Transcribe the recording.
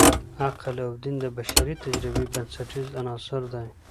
عقل او دین د بشري تجربې بنسټیز عناصر دي.